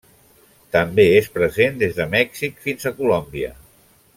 També és present des de Mèxic fins a Colòmbia.